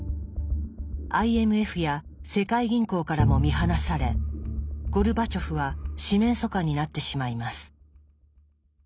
ＩＭＦや世界銀行からも見放されゴルバチョフは四面楚歌になってしまいます。